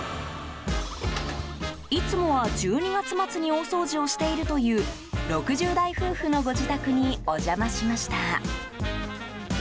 いつもは１２月末に大掃除をしているという６０代夫婦のご自宅にお邪魔しました。